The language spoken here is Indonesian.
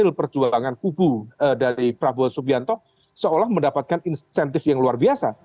dari perjuangan kubu dari prabowo subianto seolah mendapatkan insentif yang luar biasa